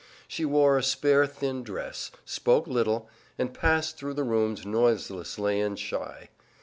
She wore a spare thin dress, spoke little, and passed through the rooms noiselessly and shy.